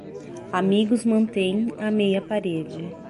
Amigos mantêm a meia parede.